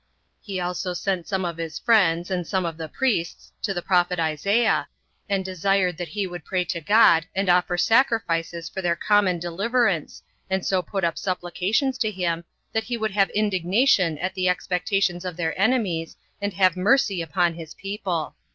He also sent some of his friends, and some of the priests, to the prophet Isaiah, and desired that he would pray to God, and offer sacrifices for their common deliverance, and so put up supplications to him, that he would have indignation at the expectations of their enemies, and have mercy upon his people.